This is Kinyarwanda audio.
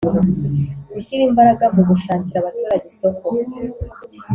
Gushyira imbaraga mu gushakira abaturage isoko